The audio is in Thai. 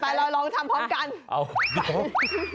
ไปลองทำพร้อมกัน